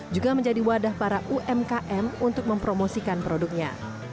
juga menjadi wadah para umkm untuk mempromosikan produknya